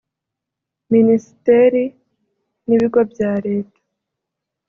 Minisiteri n’ibigo bya Leta